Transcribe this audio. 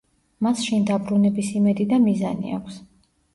მას შინ დაბრუნების იმედი და მიზანი აქვს.